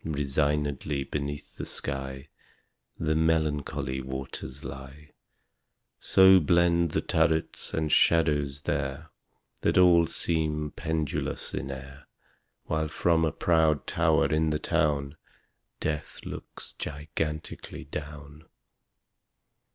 Resignedly beneath the sky The melancholy waters lie. So blend the turrets and shadows there That all seem pendulous in air, While from a proud tower in the town Death looks gigantically down.